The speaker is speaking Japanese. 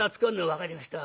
「分かりました